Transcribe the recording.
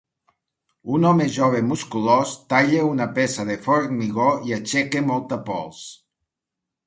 Un home jove musculós talla una peça de formigó i aixeca molta pols